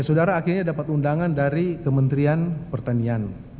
saudara akhirnya dapat undangan dari kementerian pertanian